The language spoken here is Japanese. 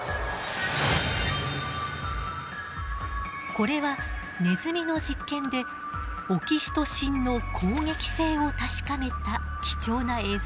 これはネズミの実験でオキシトシンの攻撃性を確かめた貴重な映像です。